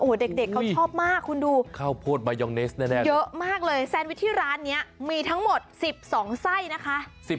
โอ้เด็กเขาชอบมากคุณดูเยอะมากเลยแซนวิทย์ที่ร้านนี้มีทั้งหมด๑๒ไส้นะคะ